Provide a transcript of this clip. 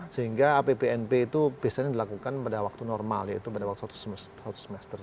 sehingga apbnp itu biasanya dilakukan pada waktu normal yaitu pada waktu satu semester